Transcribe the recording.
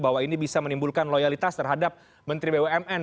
bahwa ini bisa menimbulkan loyalitas terhadap menteri bumn